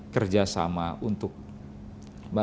kerja sama untuk investasi